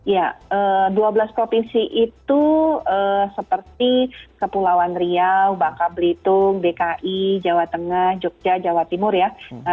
ya dua belas provinsi itu seperti kepulauan riau bangka belitung dki jawa tengah jogja jawa timur ya